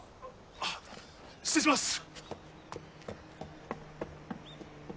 あっ失礼します！